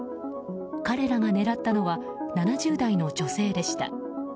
彼らが狙ったのは７０代の女性でした。